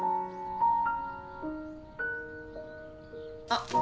あっ。